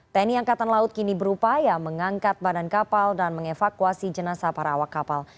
tni angkatan laut kini berupaya mengangkat badan kapal dan mengevakuasi jenazah para awak kapal